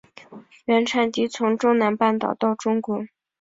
原产地从中南半岛到中国。